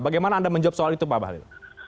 bagaimana anda menjawab soal itu pak bahlil